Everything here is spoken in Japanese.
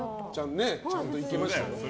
ちゃんと行けましたよ。